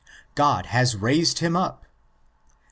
God has raised him up (iv.